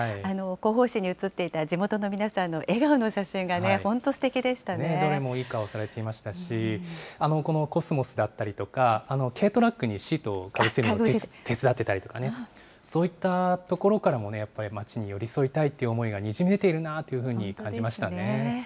広報紙にうつっていた地元の皆さんの笑顔の写真がね、本当すてきどれもいい顔されてましたし、このコスモスだったりとか、軽トラックにシートをかぶせるのを手伝ってたりとかね、そういったところからもやっぱり町に寄り添いたいという思いがにじみ出ているなというふうに感じましたね。